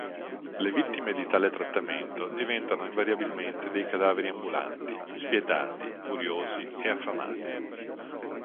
Le vittime di tale trattamento diventano invariabilmente dei cadaveri ambulanti, spietati, furiosi e affamati.